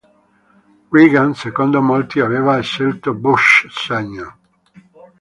Reagan, secondo molti, aveva scelto Bush Sr.